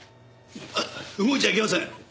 あっ動いちゃいけません！